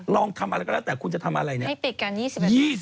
ลองทำอะไรก็แล้วแต่คุณจะทำอะไรเนี่ย